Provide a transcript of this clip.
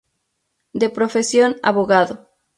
De profesión, abogado.